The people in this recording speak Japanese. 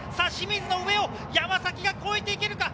上を山崎が越えていけるか。